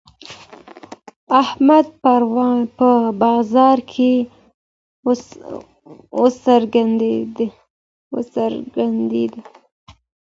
احمد پرون په بازار کي وګرځېدی.